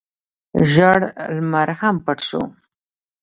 ژړ لمر هم پټ شو.